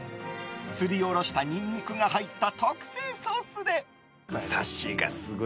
すりおろしたニンニクが入った特製ソースで。